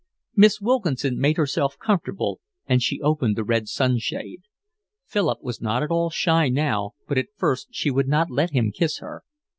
Miss Wilkinson made herself comfortable and she opened the red sun shade. Philip was not at all shy now, but at first she would not let him kiss her.